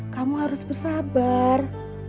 kamu harus bersabar